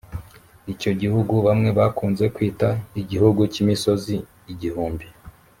icyo gihugu bamwe bakunze kwita igihugu cy’imisozi igihumbi